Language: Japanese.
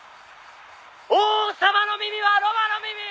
「王様の耳はロバの耳ー！」